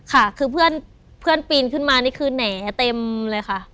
ค่ะคือเพื่อนปีนขึ้นมานี่คือแหน่เต็มเลยค่ะ